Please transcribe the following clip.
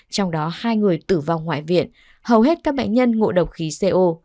trong đó hai người tử vong ngoại viện hầu hết các bệnh nhân ngộ độc khí co